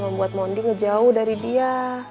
membuat mondi ngejauh dari dia